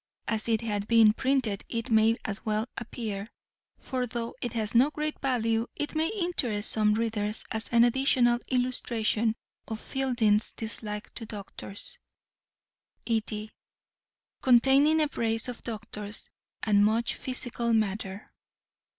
As it had been printed it may as well appear: for though it has no great value it may interest some readers as an additional illustration of Fielding's dislike to doctors. ED. _Containing a brace of doctors and much physical matter.